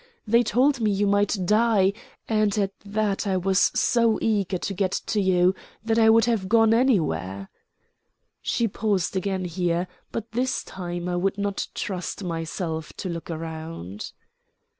They told me you might die, and at that I was so eager to get to you that I would have gone anywhere." She paused again here, but this time I would not trust myself to look round.